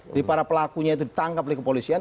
jadi para pelakunya itu ditangkap oleh kepolisian